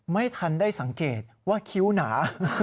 ไม่ทันได้สังเกตว่าคิ้วหนา